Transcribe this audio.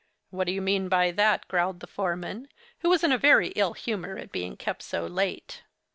'What do you mean by that?' growled the foreman, who was in a very ill humor at being kept so late.